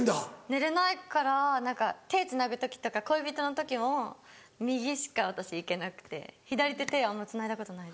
寝れないから手つなぐ時とか恋人の時も右しか私行けなくて左手手あんまつないだことない。